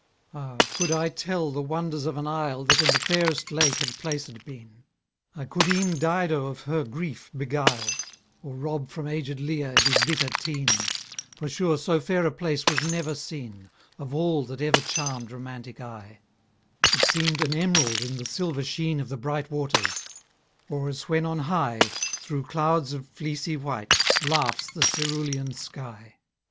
Ah! could I tell the wonders of an isle That in that fairest lake had placed been, I could e'en Dido of her grief beguile; Or rob from aged Lear his bitter teen: For sure so fair a place was never seen, Of all that ever charm'd romantic eye: It seem'd an emerald in the silver sheen Of the bright waters; or as when on high, Through clouds of fleecy white, laughs the coerulean sky.